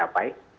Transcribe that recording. jadi ini adalah